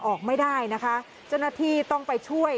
ออกไม่ได้นะคะจณฐีต้องไปช่วย